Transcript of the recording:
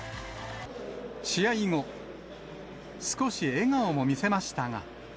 試合後、少し笑顔も見せましたが。